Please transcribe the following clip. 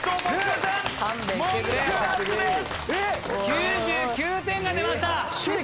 ９９点が出ました！